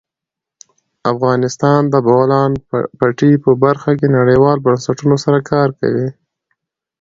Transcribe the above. افغانستان د د بولان پټي په برخه کې نړیوالو بنسټونو سره کار کوي.